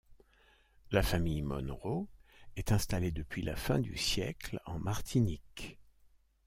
La famille Monnerot est installée depuis la fin du siècle en Martinique.